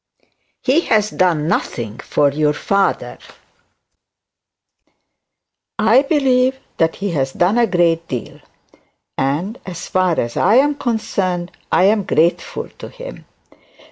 'He has done nothing for your father.' 'I believe that he has done a great deal; and, as far as I am concerned, I am grateful to him.